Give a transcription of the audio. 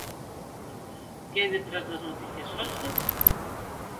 Que hai detrás das noticias falsas?